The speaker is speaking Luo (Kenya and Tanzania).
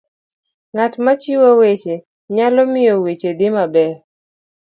ng'at machiwo weche nyalo miyo weche dhi maber